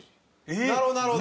なるほどなるほど。